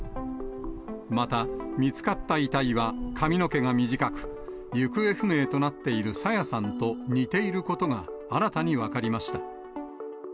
また、見つかった遺体は髪の毛が短く、行方不明となっている朝芽さんと似ていることが、新たに分かりました。